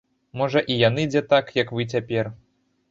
Можа, і яны дзе так, як вы цяпер.